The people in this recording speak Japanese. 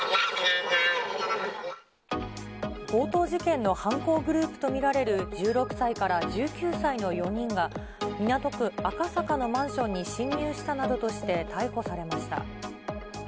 強盗事件の犯行グループと見られる１６歳から１９歳の４人が、港区赤坂のマンションに侵入したなどとして、逮捕されました。